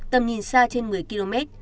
tầm nhìn xa trên một mươi km